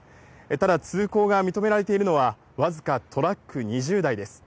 ただ、通行が認められているのは、僅かトラック２０台です。